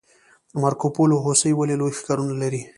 مارکوپولو هوسۍ ولې لوی ښکرونه لري؟